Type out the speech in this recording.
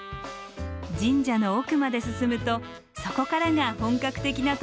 神社の奥まで進むとそこからが本格的な登山道。